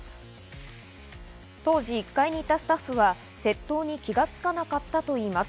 当時、１階にいたスタッフは窃盗に気がつかなかったといいます。